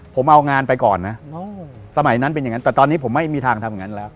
ผมเอางานไปก่อนนะสมัยนั้นเป็นอย่างนั้นแต่ตอนนี้ผมไม่มีทางทำอย่างนั้นแล้ว